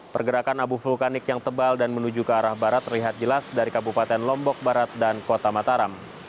pergerakan abu vulkanik yang tebal dan menuju ke arah barat terlihat jelas dari kabupaten lombok barat dan kota mataram